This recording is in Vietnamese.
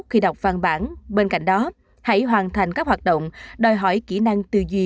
khi đọc văn bản bên cạnh đó hãy hoàn thành các hoạt động đòi hỏi kỹ năng tư duy